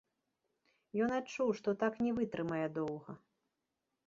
Ён адчуў, што так не вытрымае доўга.